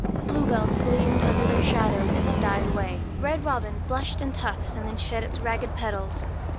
Blue bells gleamed under their shadows, and then died away. Red robin blushed in tufts, and then shed its ragged petals.